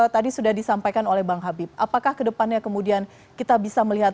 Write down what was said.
tadi sudah disampaikan oleh bang habib apakah kedepannya kemudian kita bisa melihat